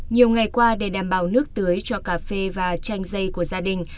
nhiều ngày qua để đảm bảo nước tưới cho cà phê và chanh dây của gia đình